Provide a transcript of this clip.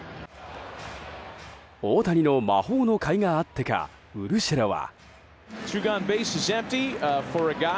大谷の魔法のかいがあってかウルシェラは。